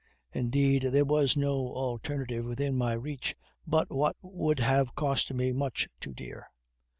Indeed, there was no alternative within my reach but what would have cost me much too dear.